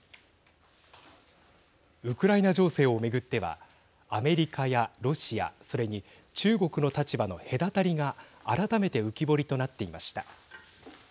ウクライナ情勢を巡ってはアメリカやロシア、それに中国の立場の隔たりが改めて浮き彫りとなっていました。